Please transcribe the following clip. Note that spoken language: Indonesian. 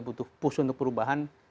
butuh push untuk perubahan